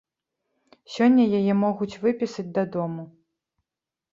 Сёння яе могуць выпісаць дадому.